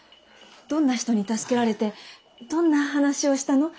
どんな人に助けられてどんな話をしたの？